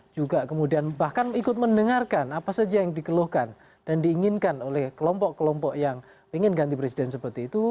juga kemudian bahkan ikut mendengarkan apa saja yang dikeluhkan dan diinginkan oleh kelompok kelompok yang ingin ganti presiden seperti itu